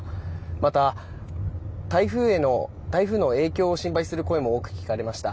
また、台風の影響を心配する声も多く聞かれました。